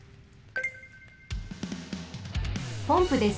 ポンプです。